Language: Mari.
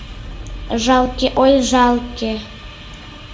— Жалке, ой, жалке...